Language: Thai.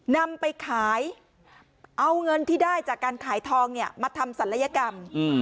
นำไปขายเอาเงินที่ได้จากการขายทองเนี่ยมาทำศัลยกรรม